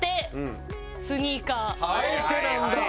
「あえて」なんだ！